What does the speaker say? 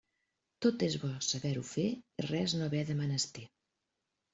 Tot és bo saber-ho fer i res no haver de menester.